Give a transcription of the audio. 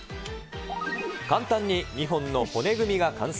簡単に２本の骨組みが完成。